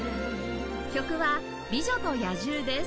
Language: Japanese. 曲は『美女と野獣』です